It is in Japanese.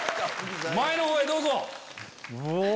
前のほうへどうぞ。